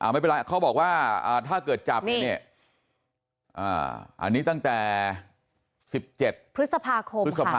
ไม่เป็นไรเขาบอกว่าถ้าเกิดจับเนี่ยอันนี้ตั้งแต่๑๗พฤษภาคมพฤษภา